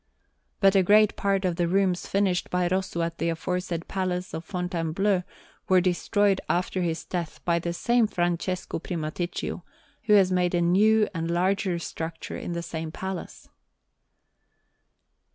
But a great part of the rooms finished by Rosso at the aforesaid Palace of Fontainebleau were destroyed after his death by the same Francesco Primaticcio, who has made a new and larger structure in the same place.